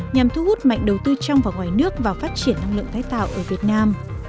nhằm thu hút mạnh đầu tư trong và ngoài nước vào phát triển năng lượng tái tạo ở việt nam